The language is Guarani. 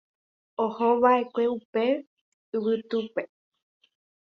ohova'ekue upe yvytýpe